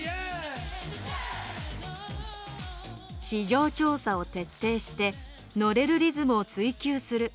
市場調査を徹底してノレるリズムを追求する。